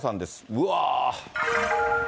うわー。